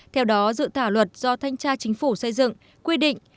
theo đó dự thảo luật do thanh tra chính phủ xây dựng quy định